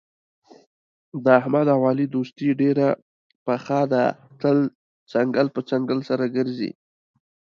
د احمد او علي دوستي ډېره پخه ده، تل څنګل په څنګل سره ګرځي.